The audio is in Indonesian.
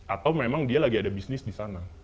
atau memang dia lagi ada bisnis disana